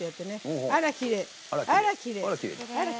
あら、きれい。